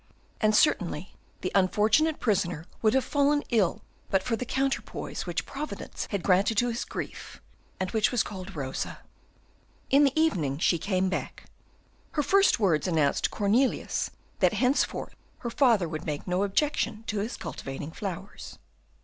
And certainly the unfortunate prisoner would have fallen ill but for the counterpoise which Providence had granted to his grief, and which was called Rosa. In the evening she came back. Her first words announced to Cornelius that henceforth her father would make no objection to his cultivating flowers.